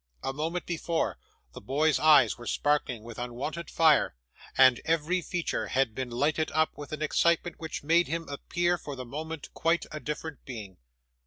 A moment before, the boy's eyes were sparkling with unwonted fire, and every feature had been lighted up with an excitement which made him appear, for the moment, quite a different being.